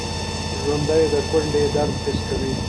ژوندي د کونډې درد حس کوي